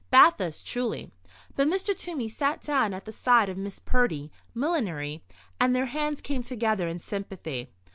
Bathos, truly; but Mr. Toomey sat down at the side of Miss Purdy, millinery, and their hands came together in sympathy.